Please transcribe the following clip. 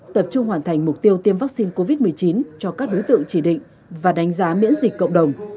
tập trung hoàn thành mục tiêu tiêm vaccine covid một mươi chín cho các đối tượng chỉ định và đánh giá miễn dịch cộng đồng